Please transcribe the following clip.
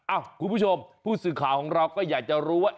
คุณผู้ชมผู้สื่อข่าวของเราก็อยากจะรู้ว่า